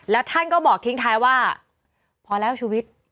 แล้วท่านก็บอกทิ้งท้ายว่าพอแล้วชุวิต